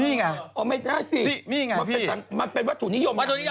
นี่ไงอ๋อไม่ได้สินี่ไงพี่มันเป็นวัตถุนิยมวัตถุนิยมอะไร